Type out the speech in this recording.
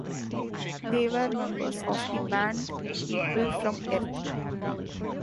They were members of the band People From Earth.